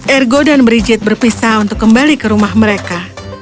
ergo dan brigit berpisah untuk kembali ke rumah mereka